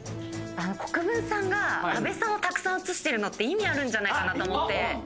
国分さんが阿部さんをたくさん映してるのって意味あるんじゃないかなと思って。